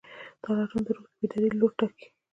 دا لټون د روح د بیدارۍ لوری ټاکي.